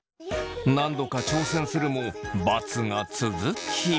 何度か挑戦するも×が続き。